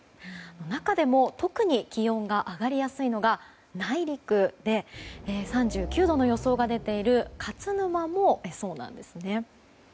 中でも特に気温が上がりやすいのが内陸で３９度の予想が出ている勝沼もそうなんですね。